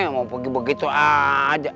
mau pergi begitu aja